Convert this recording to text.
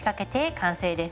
完成です！